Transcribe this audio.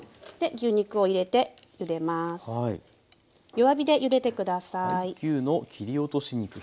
弱火でゆでて下さい。